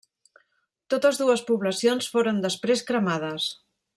Totes dues poblacions foren després cremades.